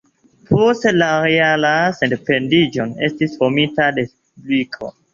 Post la reala sendependiĝo estis formita Respubliko.